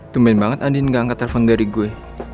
tumben banget andien gak angkat telepon dari gue